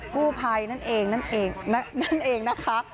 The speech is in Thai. กู้ภัยนั่นเองนั่นเองนั่นเองนะคะ